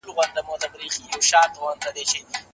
ادبي پروګرامونه باید په ډېر درناوي تنظیم شي.